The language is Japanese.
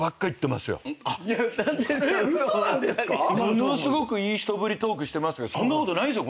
ものすごくいい人ぶりトークしてますがそんなことないんですよ